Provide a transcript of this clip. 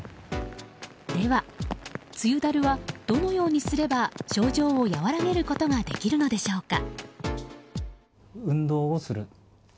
では梅雨だるはどのようにすれば症状を和らげることができるのでしょうか。